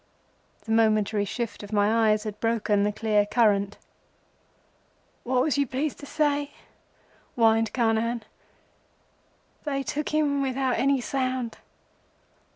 The momentary shift of my eyes had broken the clear current. "What was you pleased to say?" whined Carnehan. "They took them without any sound.